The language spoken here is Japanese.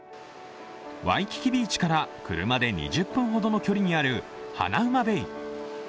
ワイキキビーチから車で２０分ほどの距離にあるハナウマベイ。